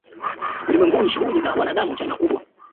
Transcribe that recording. ulimwenguni shughuli za wanadamu huchangia pakubwa